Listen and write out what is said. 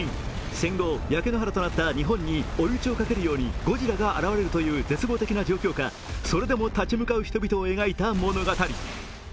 戦後、焼け野原となった日本に追い打ちをかけるようにゴジラが現れるようになった絶望的な状況下、それでも立ち向かう人々を描いた物語。